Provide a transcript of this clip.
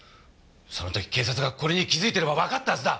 その時警察がこれに気づいていればわかったはずだ。